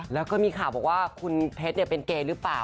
แล้วก็มีข่าวบอกว่าคุณเพชรเนี่ยเป็นเกยรึเปล่า